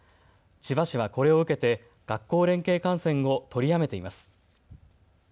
千葉市はこれを受けて学校連携観戦を取りやめています。